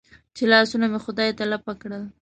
چې لاسونه مې خدای ته لپه کړل.